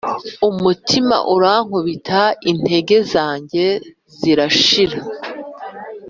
Umutima urankubita Intege zanjye zirashira